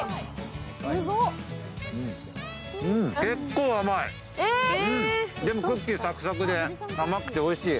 結構、甘い、でもクッキーサクサクで甘くておいしい。